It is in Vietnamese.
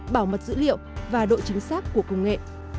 bảo mật dữ liệu và độ chính xác của công nghệ